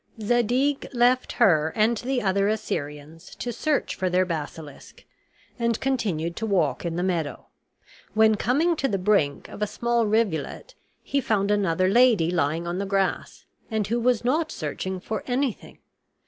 Zadig left her and the other Assyrians to search for their basilisk, and continued to walk in the meadow; when coming to the brink of a small rivulet, he found another lady lying on the grass, and who was not searching for anything.